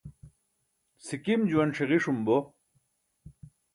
sikim juwan ṣiġiṣum bo